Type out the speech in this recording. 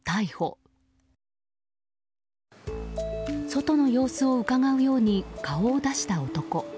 外の様子をうかがうように顔を出した男。